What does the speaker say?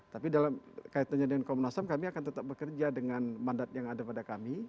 tapi dalam kaitannya dengan komnas ham kami akan tetap bekerja dengan mandat yang ada pada kami